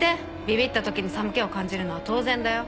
ビビった時に寒気を感じるのは当然だよ。